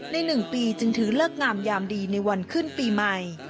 ๑ปีจึงถือเลิกงามยามดีในวันขึ้นปีใหม่